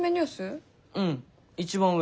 うん一番上。